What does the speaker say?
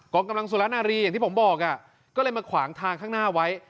องกำลังสุรนารีอย่างที่ผมบอกก็เลยมาขวางทางข้างหน้าไว้